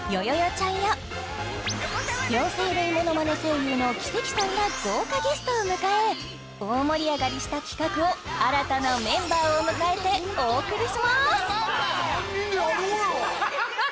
ちゃんや両生類ものまね声優の奇跡さんら豪華ゲストを迎え大盛り上がりした企画を新たなメンバーを迎えてお送りします！